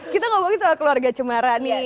kita ngobrolin soal keluarga cumara nih mak dan pakuya